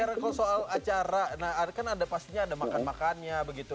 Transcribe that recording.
karena kalau soal acara nah kan ada pastinya ada makan makannya begitu